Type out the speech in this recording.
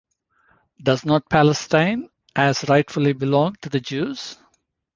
Does not Palestine as rightfully belong to the Jews?